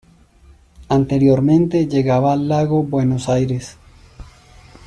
Anteriormente llegaba al Lago Buenos Aires.